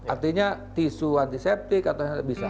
artinya tisu antiseptik atau yang lainnya bisa